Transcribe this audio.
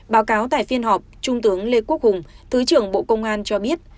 báo cáo tại phiên họp trung tướng lê quốc hùng thứ trưởng bộ công an cho biết